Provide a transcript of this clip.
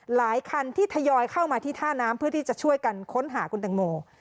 หลายคันที่ทยอยเข้ามาที่ท่าน้ำเพื่อที่จะช่วยกันค้นหาคุณตังโม